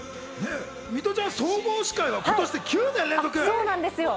ミトちゃん、総合司会は今年で９年連続？